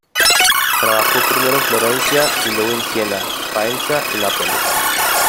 Trabajó primero en Florencia y luego en Siena, Faenza y Nápoles.